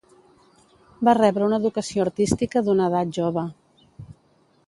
Va rebre una educació artística d'una edat jove.